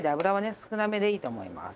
少なめでいいと思います。